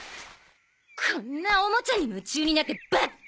こんなおもちゃに夢中になってバッカみたい！